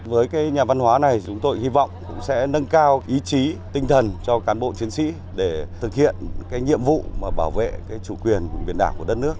với nhà văn hóa này chúng tôi hy vọng sẽ nâng cao ý chí tinh thần cho cán bộ chiến sĩ để thực hiện nhiệm vụ bảo vệ chủ quyền